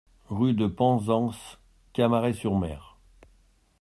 Rue de Penzance, Camaret-sur-Mer